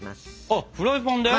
あフライパンで？